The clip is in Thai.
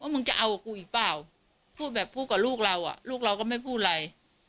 มึงจะเอากับกูอีกเปล่าพูดแบบพูดกับลูกเราอ่ะลูกเราก็ไม่พูดอะไร